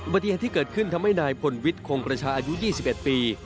ปฏิเหตุที่เกิดขึ้นทำให้นายพลวิทย์คงประชาอายุ๒๑ปี